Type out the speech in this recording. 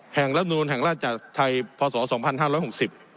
แห่งรับนูนแห่งราชาไทยพศสองพันห้านห้าร้อยหกสิบ